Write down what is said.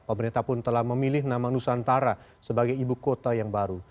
pemerintah pun telah memilih nama nusantara sebagai ibu kota yang baru